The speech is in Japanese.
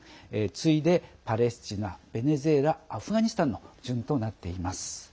次いでパレスチナ、ベネズエラアフガニスタンの順となっています。